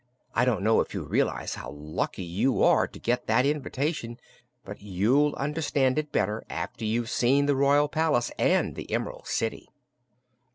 I don't know if you realize how lucky you are to get that invitation, but you'll understand it better after you've seen the royal palace and the Em'rald City."